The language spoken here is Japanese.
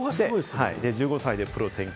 １５歳でプロ転向。